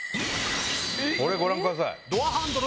これご覧ください。